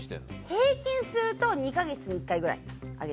平均すると２か月に１回ぐらい上げてる。